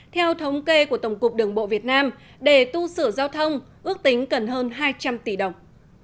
theo thống kê của tổng cục đường bộ việt nam để tu sửa giao thông ước tính cần hơn hai trăm linh tỷ đồng